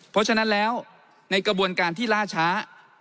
เพราะฉะนั้นแล้วในกระบวนการที่ล่าช้า